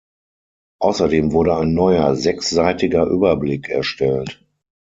Außerdem wurde ein neuer sechsseitiger Überblick erstellt.